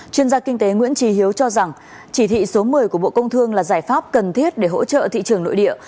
chuyên gia kinh tế nguyễn trì hiếu cho rằng chỉ thị số một mươi của bộ công thương là giải pháp cần thiết để hỗ trợ thị trường nội địa